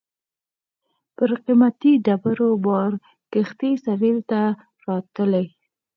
پر قیمتي ډبرو بار کښتۍ سېویل ته راتلې.